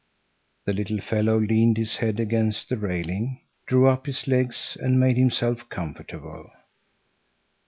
The little fellow leaned his head against the railing, drew up his legs and made himself comfortable.